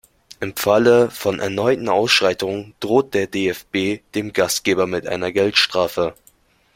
Im Falle von erneuten Ausschreitungen droht der DFB dem Gastgeber mit einer Geldstrafe.